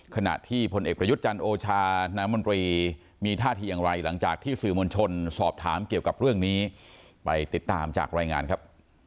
ขณะที่พลเอกประยุทธ์จันทร์โอชาน้ำมนตรีมีท่าทีอย่างไรหลังจากที่สื่อมวลชนสอบถามเกี่ยวกับเรื่องนี้ไปติดตามจากรายงานครับ